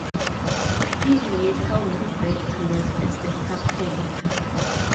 He later went back to work as a carpenter.